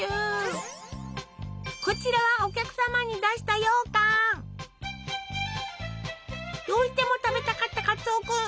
こちらはお客様に出したどうしても食べたかったカツオ君。